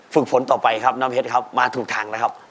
ฝึกฝนต่อไปครับน้ำเพชรครับมาถูกทางแล้วครับ